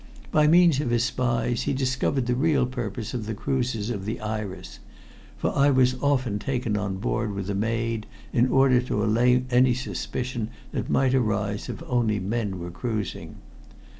By means of his spies he discovered the real purpose of the cruises of the Iris for I was often taken on board with a maid in order to allay any suspicion that might arise if only men were cruising.